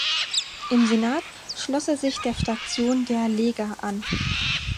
Im Senat schloss er sich der Fraktion der Lega an.